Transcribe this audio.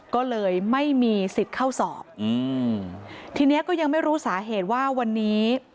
ก็เลยไม่มีสิทธิ์เข้าสอบอืมทีนี้ก็ยังไม่รู้สาเหตุว่าวันนี้